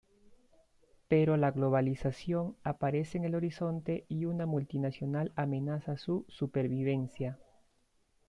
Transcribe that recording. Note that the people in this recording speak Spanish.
Pero la globalización aparece en el horizonte y una multinacional amenaza su supervivencia.